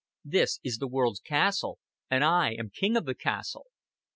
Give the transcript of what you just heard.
This is the world's castle, and I am the king of the castle."